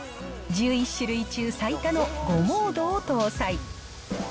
１１種類中最多の５モードを搭載。